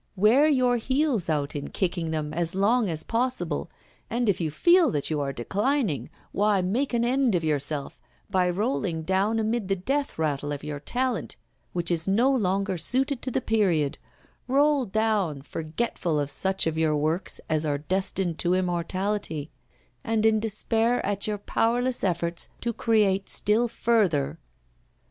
Wear your heels out in kicking them up as long as possible, and if you feel that you are declining, why, make an end of yourself by rolling down amid the death rattle of your talent, which is no longer suited to the period; roll down forgetful of such of your works as are destined to immortality, and in despair at your powerless efforts to create still further!